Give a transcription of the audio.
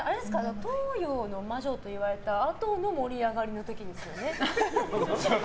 東洋の魔女といわれたあとの盛り上がりの時ですもんね。